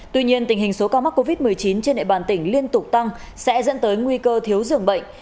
tuy nhiên tình hình số cao mắc covid một mươi chín trên nệp bàn tỉnh liên tục tăng sẽ dẫn tới nguy cơ thiếu giường bệnh